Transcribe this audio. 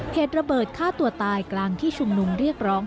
เหตุระเบิดฆ่าตัวตายกลางที่ชุมนุมเรียกร้อง